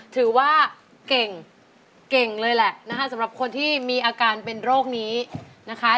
ถือว่าเก่งเก่งเลยแหละนะคะสำหรับคนที่มีอาการเป็นโรคนี้นะคะ